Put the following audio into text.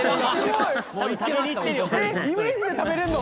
・えっイメージで食べれんの？